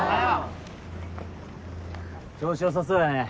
調子よさそうやね。